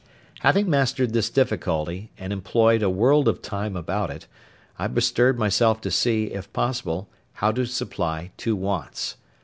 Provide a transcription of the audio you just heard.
Having mastered this difficulty, and employed a world of time about it, I bestirred myself to see, if possible, how to supply two wants.